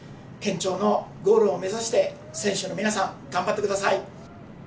県庁のゴールを目指して選手の皆さん、頑張ってください。